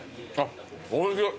おいしい。